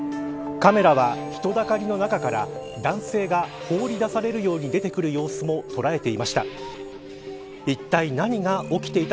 カメラは、人だかりの中から男性が放り出されるように出てくる様子も捉えていました。